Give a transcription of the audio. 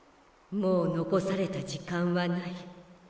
もう残された時間はない。